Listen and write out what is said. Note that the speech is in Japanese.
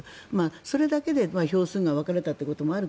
それだけで票数が分かれたということもある